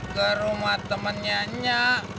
ke rumah temennya nya